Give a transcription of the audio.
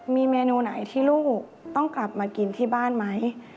มีเมนูไหนที่ลูกต้องกลับมากินที่บ้านไหม